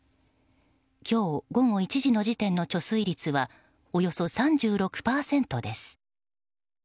今日、午後１時の時点の貯水率はおよそ３６％です。